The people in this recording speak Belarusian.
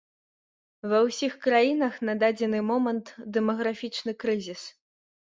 Ва ўсіх краінах на дадзены момант дэмаграфічны крызіс.